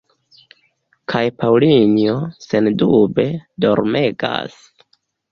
Kaj Paŭlinjo, sendube, dormegas.